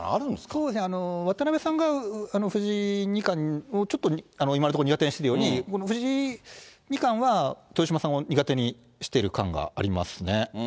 そうですね、渡辺さんが藤井二冠をちょっと今のところ苦手にしてるように、藤井二冠は豊島さんを苦手にしている感がありますね。